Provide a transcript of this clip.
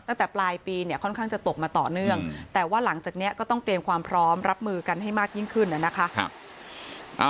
ตั้งแต่ปลายปีเนี่ยค่อนข้างจะตกมาต่อเนื่องแต่ว่าหลังจากนี้ก็ต้องเตรียมความพร้อมรับมือกันให้มากยิ่งขึ้นนะคะ